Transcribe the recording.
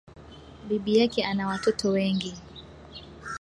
Bibi yake ana watoto wengi